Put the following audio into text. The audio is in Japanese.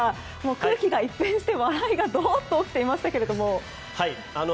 空気が一変して、笑いがドーンと起きていましたけど。